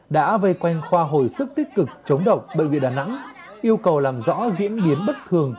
đã vây quanh khoa hồi sức tích cực chống độc bệnh viện đà nẵng yêu cầu làm rõ diễn biến bất thường